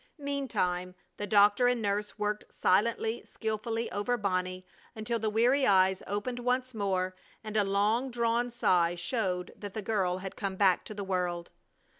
Meantime the doctor and nurse worked silently, skilfully over Bonnie until the weary eyes opened once more, and a long drawn sigh showed that the girl had come back to the world.